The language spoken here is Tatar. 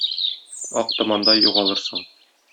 Ак томандай югалырсың